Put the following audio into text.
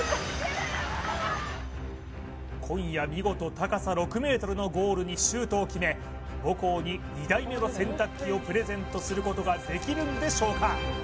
今夜見事高さ６ｍのゴールにシュートを決め母校に２台目の洗濯機をプレゼントすることができるんでしょうか